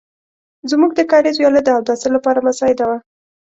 زموږ د کاریز وياله د اوداسه لپاره مساعده وه.